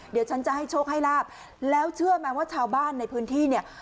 เดี๋ยวฉันจะให้โชคให้ลาบแล้วเชื่อไหมว่าชาวบ้านในพื้นที่เนี่ย